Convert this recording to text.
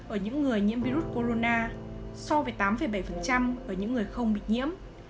một tám ở những người nhiễm virus corona so với tám bảy ở những người không bị nhiễm